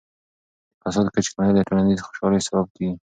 د فساد کچې کمیدل د ټولنیز خوشحالۍ سبب کیږي.